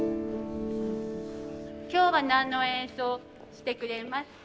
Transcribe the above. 今日は何の演奏してくれますか？